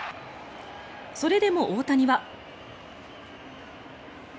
それでも大谷は。